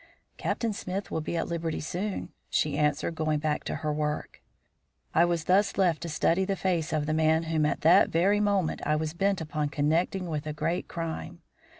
"Captain Smith will be at liberty soon," she answered, going back to her work. I was thus left to study the face of the man whom at that very moment I was bent upon connecting with a great crime.